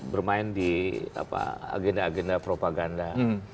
bermain di agenda agenda propaganda